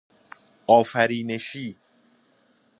آفرینشی